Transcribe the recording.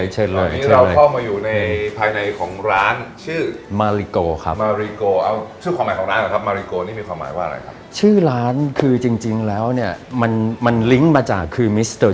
เชิญเลยครับเชิญเลยครับเชิญเลย